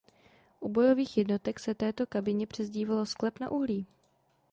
U bojových jednotek se této kabině přezdívalo „sklep na uhlí“.